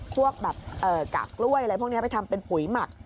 พวกแบบกากกล้วยอะไรพวกนี้ไปทำเป็นปุ๋ยหมัก